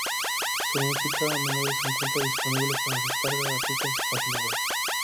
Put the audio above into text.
Su música a menudo se encuentra disponible para descarga gratuita en su página web.